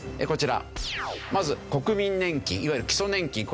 こちらまず国民年金いわゆる基礎年金。